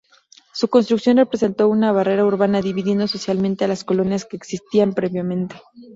Su construcción representó una barrera urbana dividiendo socialmente a las colonias que existían previamente.